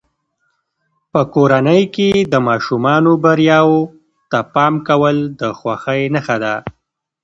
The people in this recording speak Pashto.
په کورنۍ کې د ماشومانو بریاوو ته پام کول د خوښۍ نښه ده.